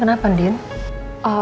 om nya orang tua ya